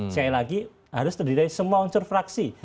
sekali lagi harus terdiri dari semua unsur fraksi